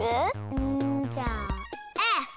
うんじゃあＦ！